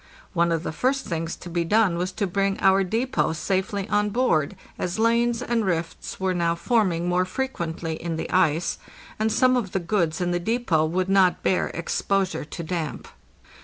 One of the first things to be done was to bring our depot safely on board, as lanes and rifts were now forming more frequently in the ice, and some of the goods in the depot would not bear exposure to damp.